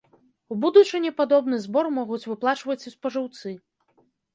У будучыні падобны збор могуць выплачваць і спажыўцы.